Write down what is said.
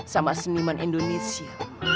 sama seniman indonesia